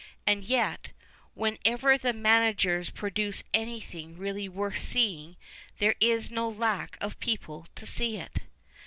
And yet, whenever the managers produce anything really worth seeing there is no lack of })eople to see it.